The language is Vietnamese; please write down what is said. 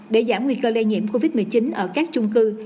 để giảm nguy cơ lây nhiễm covid một mươi chín ở các chung cư